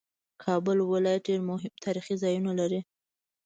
کابل ولایت ډېر مهم تاریخي ځایونه لري